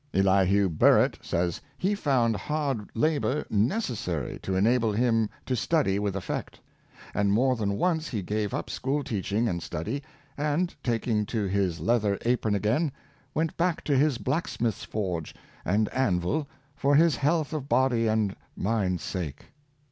Elihu Burritt says he found hard labor necessary to enable him to study with effect; and more than once he gave up school teaching and study, and, taking to his leather apron again, went back to his blacksmith's forge and anvil for his health of body and mind's sake.